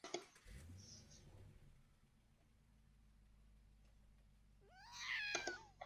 Como consecuencia de ello, aparecen reacciones asociadas que producen cadenas de movimientos involuntarios.